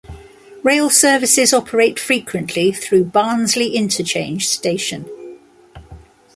Rail services operate frequently through Barnsley Interchange station.